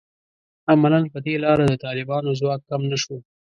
عملاً په دې لاره د طالبانو ځواک کم نه شو